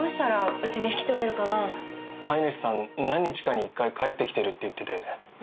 飼い主さん何日かに１回帰ってきてるって言ってたよね。